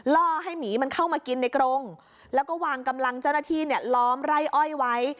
ล่อให้หมีมันเข้ามากินในกรงแล้วก็วางกำลังเจ้าหน้าที่เนี่ยล้อมไร่อ้อยไว้